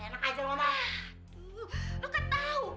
lu nggak tahu